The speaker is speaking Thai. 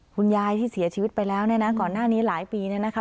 คุณยายที่เสียชีวิตไปแล้วเนี่ยนะก่อนหน้านี้หลายปีเนี่ยนะคะ